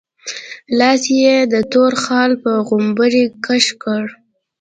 لاس يې د تور خال په غومبري کش کړ.